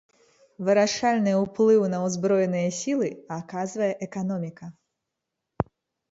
Вырашальны ўплыў на ўзброеныя сілы аказвае эканоміка.